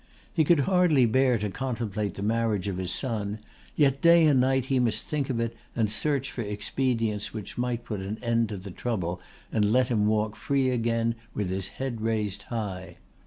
He could hardly bear to contemplate the marriage of his son, yet day and night he must think of it and search for expedients which might put an end to the trouble and let him walk free again with his head raised high.